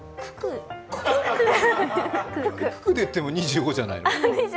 九九で言っても２５じゃないの？